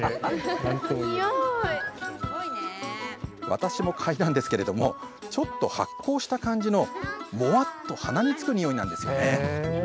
私もかいだんですがちょっと発酵した感じのもわっと鼻につくにおいなんですね。